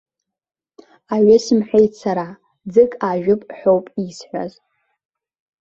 Аҩы сымҳәеит сара, ӡык аажәып ҳәоуп исҳәаз.